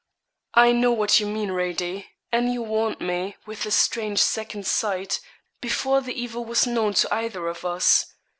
'I know what you mean, Radie; and you warned me, with a strange second sight, before the evil was known to either of us.